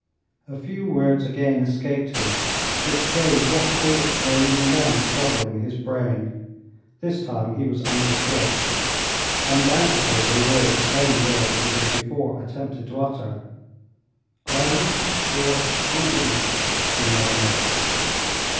A few words again escaped him, which showed what thoughts were, even then, troubling his brain. This time he was understood. Undoubtedly they were the same words he had before attempted to utter. "Island or continent?" he murmured.